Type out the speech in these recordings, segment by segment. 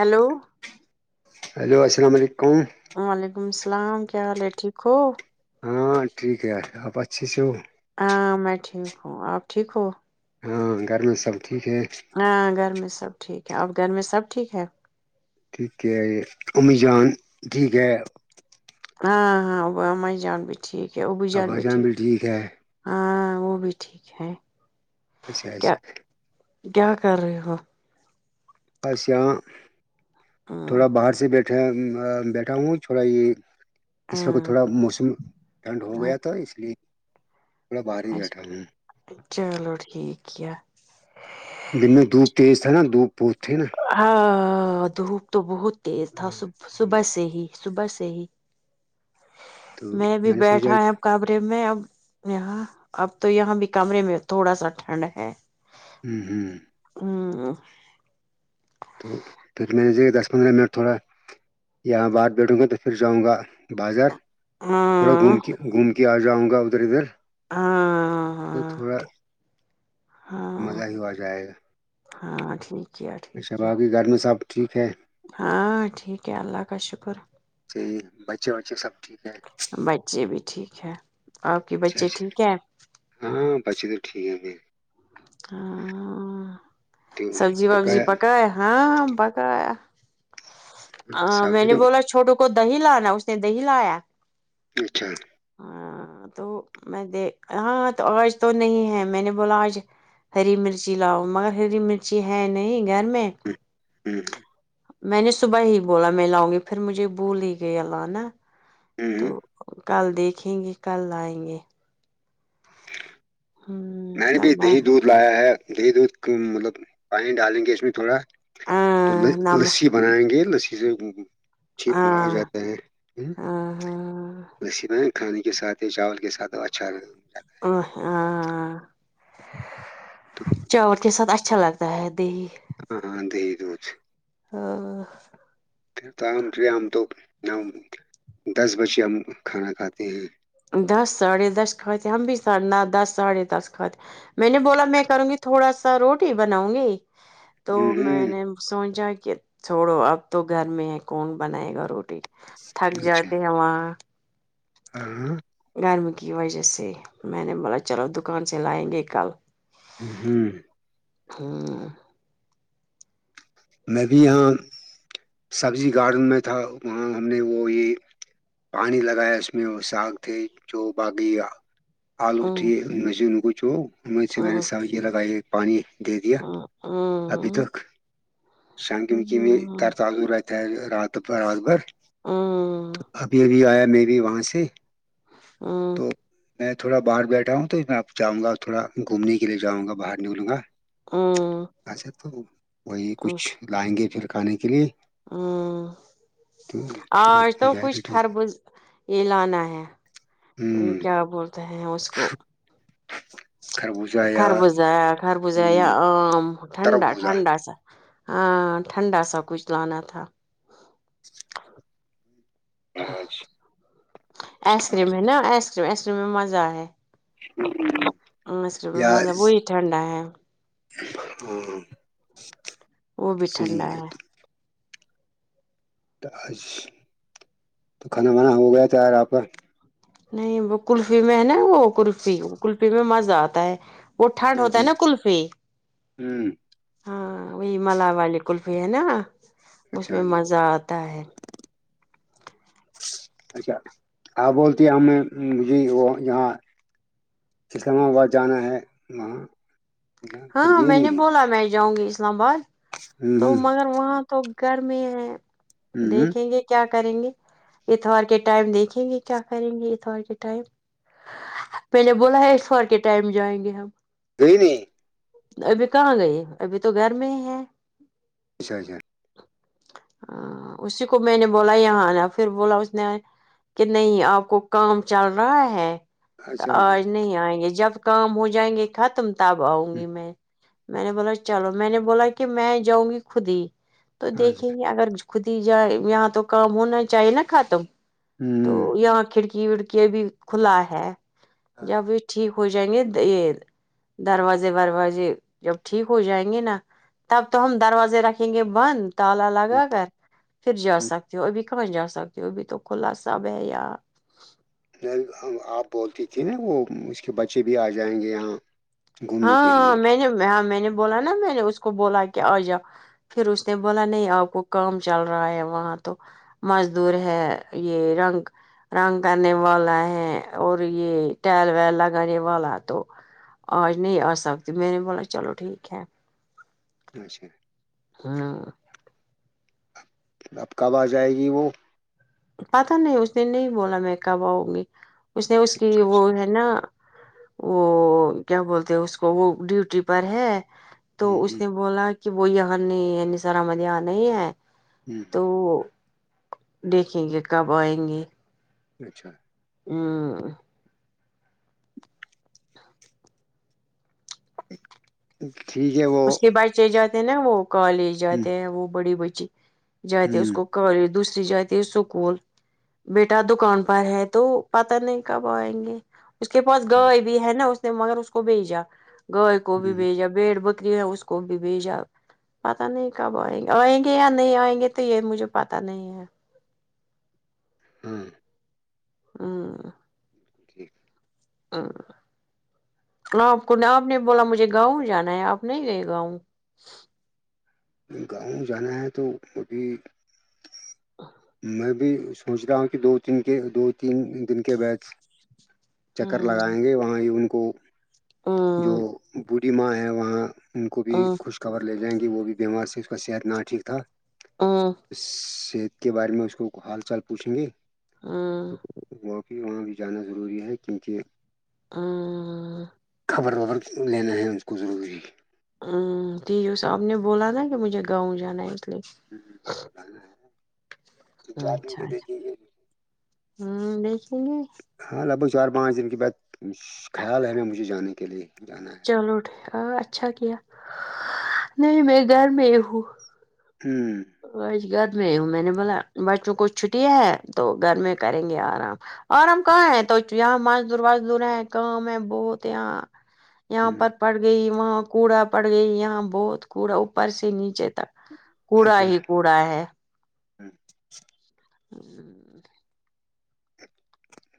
Hello hello السلام علیکم وعلیکم السلام کیا حال ہے ٹھیک ہو ہاں ٹھیک ہے یار آپ اچھی سے ہو ہاں میں ٹھیک ہوں آپ ٹھیک ہو ہاں گھر میں سب ٹھیک ہے ہاں گھر میں سب ٹھیک ہے اب گھر میں سب ٹھیک ہے ٹھیک ہے امی جان ٹھیک ہے ہاں ہاں اماں جان بھی ٹھیک ہے ابو جان بھی ٹھیک ہاں وہ بھی ٹھیک ہے اچھا کیا اچھا کیا کر رہے ہو بس یہاں ہمم تھوڑا باہر سے بیٹھے بیٹھا ہوں تھوڑا یہ اس وقت ہمم تھوڑا موسم ٹھنڈ ہو ہمم گیا تھا اس لیے تھوڑا باہر ہی بیٹھا اچھا ہوں چلو ٹھیک کیا دن میں دھوپ تیز تھا نا دھوپ بہت تھے نا ہاں دھوپ تو بہت تیز تھا صبح صبح سے ہی صبح سے ہی تو میں بھی نے سوچا بیٹھا ہے کہ اب کمرے میں اب یہاں اب تو یہاں بھی کمرے میں تھوڑا سا ٹھنڈ ہے ہمم ہمم ہمم تو پھر میں نے دیے دس پندرہ منٹ تھوڑا یہاں باہر بیٹھوں گا تو پھر جاؤں گا بازار تھوڑا گھوم ہاں کے گھوم کے آ جاؤں گا ادھر ادھر تو ہاں تھوڑا ہاں مزہ ہی آ جائے گا ہاں ٹھیک کیا ٹھیک اچھا کیا باقی گھر میں سب ٹھیک ہے ہاں ٹھیک ہے اللہ کا شکر صحیح بچے وچے سب ٹھیک ہے بچے بھی ٹھیک ہے آپ کے اچھا بچے اچھا ٹھیک ہے ہاں بچے تو ٹھیک ہے ہاں تو سبزی وبزی پکایا پکائے ہاں پکایا میں سبزی نے تو بولا چھوٹو کو دہی لانا اس نے دہی لایا اچھا ہاں تو میں دے ہاں تو آج تو نہیں ہے میں نے بولا آج ہری مرچی لاؤ مگر ہری مرچی ہے نہیں گھر میں ہمم میں نے صبح ہی بولا میں لاؤں گی پھر مجھے بھول ہی گیا لانا تو کل دیکھیں گے کل لائے گے ہوں میں نے کل بھی لائیں دہی دودھ لایا ہے دہی دودھ مطلب پانی ڈالیں گے اس میں تھوڑا تو ہاں نم لسی بنائیں گے لسی سے چپ میں آ ہاں جاتا ہے ہاں ہاں لسی میں کھانے کے ساتھ یا چاول کے ساتھ اچھا رہ چاول کے ساتھ اچھا لگتا ہے دہی ہاں دہی دودھ ہاں پھر تو ہم ہم تو دس بجے ہم کھانا کھاتے ہیں دس ساڑھے دس کھاتے ہم بھی دس ساڑے دس کھاتے میں نے بولا میں کروں گی تھوڑا سا روٹی بناؤں گی تو ہوں میں ہوں نے سوچا کہ چھوڑو اب تو گھر میں ہے کون بنائے گا روٹی تھک اچھا جاتے ہے وہاں ہاں گرم کی وجہ سے میں نے بولا چلو دکان سے لائیں گے کل ہوں ہاں میں بھی یہاں سبزی گارڈن میں تھا وہاں ہم نے وہ یہ پانی لگایا اس میں وہ ساگ تھے جو باغی آلو آج تے ان میں سے ان کو چو ان میں سے میں نے سب لگائی پانی دے دیا ابھی تک سگم کہ میں ت صاف سھر ہے رات رات بھر ابھی ابھی آیا میں بھی وہاں سے ہ تو میں تھوڑا باہر بیٹھا ہوں تو میں آپ جاؤں گا تھوڑا گھومنے کے لیے جاؤں گا باہر نکلوں گا ہاں اچھا تو وہی کچھ لائیں گے پھر کھانے کے لیے ہ تو پھر آج ہو تو جائے گا کچھ خربز یہ لانا ہے ہوں کیا بولتے ہیں اس کو ج خربو کربوزا کاربوزا آم ٹھنڈا تربوزہ ٹھنڈا س ہاں ٹھنڈا سب کچھ لانا تھا آج آئس کریم ہے نا آئس کریم آئس کریم میں مزہ ہے ہ مچ میں مزہ وہی ٹھنڈا ہے ہ وہ بھی ٹھنڈا ہے اچھ تو کھانا بانا ہو گیا تھا آ پر نہیں وہ کلفی میں ہے نا وہ کلفی کلفی میں مزہ آتا ہے وہ ٹھنڈ ہوں ہوتا ہے نا کلفی ہوں، ہاں وہی ملا والی کلفی ہے نا اس اچھا میں اچھا مزہ آتا ہے اچھا آپ بولتے ہیں ہم نے مجے وہ جاں اسکام آباد جانا ہے وہاں پھر ہاں گئی میں نے نہیں بولا میں جاؤں گی اسلام آباد ہوں تو ہوں مگر وہاں تو گر میں ہے ہوں ہوں دیکھیں گے کیا کریں گے اتوار کے ٹائم دیکھیں گے کیا کریں گے اتوار کے ٹائم پہلے بولا ہے ایشور کے ٹائم جائیں گے ہم دین ابھی کہاں گئے ابھی تو گھر میں ہی ہے اچھا اچھا ہ اسی کو میں نے بولا یہاں نا پھر بولا اس نے کہ نہیں آپ کو کام چل رہا ہے تو اچھا اچھا آج نہیں آئیں گے جب کام ہو جائیں گے ختم تب آؤں ہوں، گی میں میں نے بولا چلو میں نے بولا کہ میں جاؤں گی خود ہی تو دیکھیں اچھا گے اگر خود ہی جائے یہاں تو کام ہونا چاہیے نا خاتم تو ہوں یہاں کھڑکی کیڑ کے بھی کھلا ہے جب بھی ٹھیک ہو جائیں گے یہ دروازے وروازے جب ٹھیک ہو جائیں گے نا تب تو ہم دروازے رکھیں گے بند تالا لگا کر پھر جا ہوں۔ سکتی ہو ابھی کہاں جا سکتی ہو ابھی تو کھلا ساب ہے یاار نہیں آپ بولتے تھے نا وہ اس کے بچے بھی آ جائیں گے یہاں گھومنے کے ہاں لیے میں نے ہاں میں نے بولا نا میں نے اس کو بولا کہ آ جاؤ پھر اس نے بولا نہیں آپ کو کام چل رہا ہے وہاں تو مزدور ہے یہ رنگ رنگ کرنے والا ہے اور یہ ٹائل ویل لگانے والا تو آج نہیں آ سکتی میں نے بولا چلو ٹھیک ہے اچھا ہاں اب کب آ جائے گی وہ پتا نہیں اس نے نہیں بولا میں کب آؤں گی اس نے اس کی اچھا اچھا وہ ہے نا وہ کیا بولتے ہیں اس کو وہ ڈیوٹی پر ہے تو ہ اس ہ نے بولا کہ وہ یہاں نہیں سر مد یہاں نہیں ہے ہوں تو کیونکہ کب آئیں گے اچھا ہ [unintelligible] ٹھیک ہے وہ [unintelligible] بچےجاتے ہیں نا وہ کالج ہ جاتے ہیں وہ بڑی بچی جاتے اس ہ کو کالج دوسری جاتی ہے اسکول بیٹا دکان پر ہے تو پتا نہیں کب آئیں گے اس کے پاس اچھا گائے اچھا بھی ہے نا اس نے مگر اس کو بھیجا گائے کو ہ بھیجا بھیڑ بکرے اس کو بھی بھیجا پتا نہیں کب آئیں گے آئیں گے یا نہیں آئیں گے تو یہ مجھے پتا نہیں ہے ہاں ہاں ٹھیک [unintelligible] ہاں آپ کو آپ نے بولا مجھے گاؤں جانا ہے آپ نہیں گئے گاؤں گاؤں جانا ہے تو ابھی [inaudible] [inaudible] میں بھی سوچ رہا ہوں کہ دو تین کے دو تین دن کے بیچ چکر ہ لگائیں گے وہاں ان کو جو ہ بوڑھی ماں ہے وہاں ان کو بھی خوش خبر لے جائیں گے وہ بھی بیمار سے اس کا صحت نہ ٹھیک تھا ہ صحت کے بارے میں اس کو حال چال پوچھ لے گے ہ ہ تو وہاں بھی وہاں بھی جانا ضروری ہے کیونکہ ہاں خبر وبر لینا ہے ان کو ضروری [unintelligible] ہاں تو آپ نے بولا نا کہ مجھے گاؤں جانا ہے اس لیے جانا ہے۔ تو چار دن اچھا کے اچھا دیکھیں گے ہاں دیکھے گے [unintelligible] ہاں لگ بھگ چار پانچ دن کے بعد خیال آیا مجھے جانے کے لیے جانا ہے چلو ٹھیک اچھا کیا نہیں میں گھر میں ہوں ہوں آج گھر میں ہی ہوں میں نے بولا بچوں کو چھٹی ہے تو گھر میں کریں گے آرام آرام کہاں ہے تو یہاں مزدور وزدور ہیں کام ہے بہت یہاں یہاں ہ پر پڑ گئی وہاں کوڑا پڑ گئی یہاں بہت کوڑا اوپر سے نیچے تک کوڑا اچھا ہی کوڑا ہے ہوں [unintelligible] ہوں [inaudible]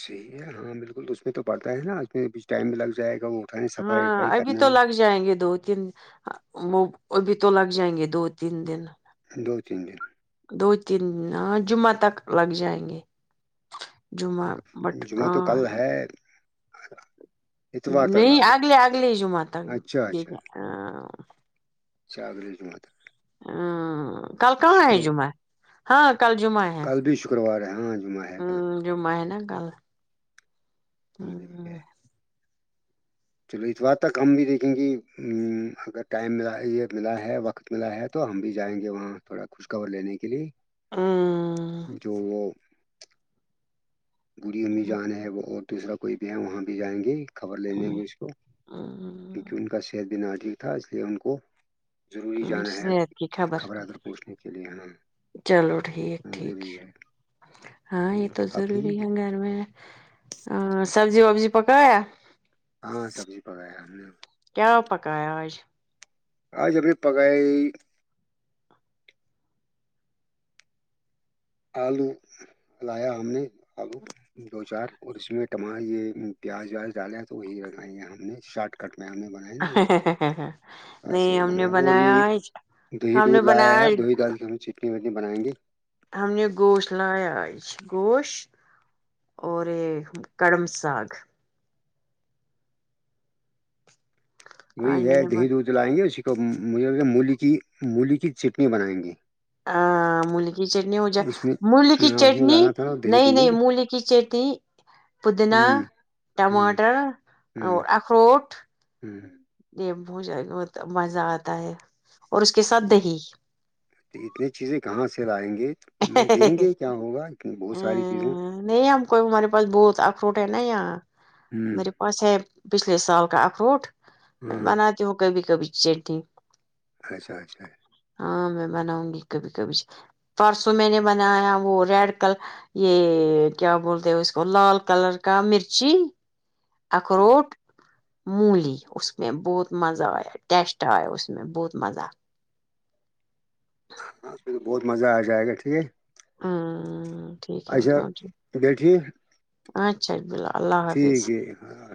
صحی ہے ہاں بالکل اس میں تو پڑتا ہے نا اس میں بھی ٹائم میں لگ جائے گا وہ کہیں صفائی ہاں وفائی ابھی کرنا تو ہے لگ جائیں گے دو تین وہ وہ بھی تو لگ جائیں گے دو تین دن دو تین دن دو تین جمعہ تک لگ جائیں گے جمعہ بٹ جمعہ تو ہاں کل ہے اتوار تک نہیں لگ بھگ اگلے اگلے جمہ تک اچھا چار دن اور ہاں کل کہاں ہے جمعہ ہاں کل جمعہ ہے کل بھی شکروار ہے ہاں جمعہ ہے کل ہمم جمعہ ہے نا کل کل بھی ہے ہاں چلو اتوار تک ہم بھی دیکھیں گے اگر ٹائم یہ ملا ہے وقت ملا ہے تو ہم بھی جائیں گے وہاں تھوڑا خوش خبر لینے کے لیے جو بوڑھی امی جان ہے اور دوسرا کوئی بھی ہے وہاں بھی جائیں گے خبر لے لے گے ہمم اس کو کیونکہ ان کا صحت بھی نہ ٹھیک تھا اس لیے ان کو ضروری جانا ہے صحت کی خبر ادر پوچھنے کے لیئے ہم چلو ٹھیک ٹھیک ہے ہاں یہ تو ضروری ہے گھر میں اور سبزی وبزی پکایا ہاں سبزی پکایا ہم نے کیا پکایا آج آ ج ابھی پک ہے آلو لایا ہم نے آلو دو چار اور اس میں ٹما یہ پیاز ویاز ڈالا تو وہی لگائی ہم نے شارٹ کٹ میں ہم نے ب نہیں ام نے بنائے اور بنایا یہ ہے دہی دودھ لایا ہے دہی دال کی ہم چٹنی وٹنی بنائیں گے ہم نے گوش لائیا گوش اور یہ کڑم ساگ وہی آج ہے میں نے دہی بن دود د لائیں گے اسی کو مجھے مولی کی مولی کی چٹنی بنائیں گے آ ملکی چٹنیی پوج اور اس میں ملی کی ہاں اس میں چٹنی ڈالنا تھا نا دہی نہیں نہیں دودھ ملی کی چٹنی پودنا ہوں ہوں ٹماٹر ہوں اور اخروٹ ہوں یہ ب مزہ آتا ہے اور اس کے ساتھ دہی تو اتنی چیزیں کہاں سے لائیں گے دیکھیں گے کیا ہوگا بہت ساری چیزیں نہیں ہم کوئی ہمارے پاس بہت اخروٹ ہے نا اں ہوں میرےا اورسے پچھلے سال کا اخروٹ میں ہاں بناتی ہوں کبھی کبھی چٹنی اچھا اچھا ہاں میں بناؤں گی کبھی کبھی پرسوں میں نے بنایا وہ ریڈ کلر یہ کیا بولتے اس کو لال کلر کا مرچی اخروٹ مولی اس م میں بہت مزہ آیا ٹیسٹ آیا اس م میں بہت مزہ آ ہاں بہت مزہ آ جائے گا ٹھیک ہے ہمم ٹھیک اچھا گئے ٹیک اچھاچ بلہ اللہ حافظ ٹھیک ہے ہاں